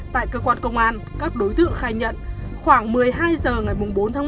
tại cơ quan công an các đối tượng khai nhận khoảng một mươi hai h ngày bốn tháng một